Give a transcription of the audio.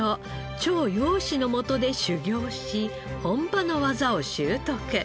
趙楊氏のもとで修業し本場の技を習得。